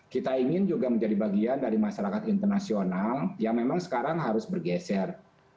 kita ingin juga menjadi bagian dari masyarakat internasional yang memang sekarang harus bergeser